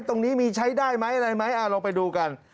ตรงนี้มีใช้ได้ไหมอะไรไหมลองไปดูกัน